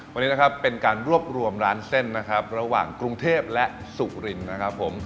วันนี้นะครับเป็นการรวบรวมร้านเส้นนะครับระหว่างกรุงเทพและสุรินนะครับผม